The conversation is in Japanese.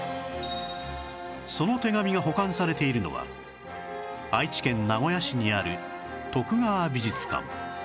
その手紙が保管されているのは愛知県名古屋市にある徳川美術館